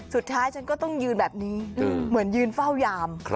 ฉันก็ต้องยืนแบบนี้เหมือนยืนเฝ้ายาม